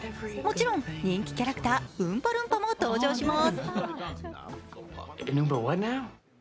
もちろん、人気キャラクターウンパルンパも登場します。